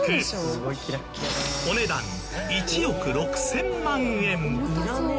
お値段１億６０００万円。